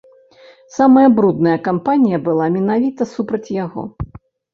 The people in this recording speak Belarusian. Самая брудная кампанія была менавіта супраць яго.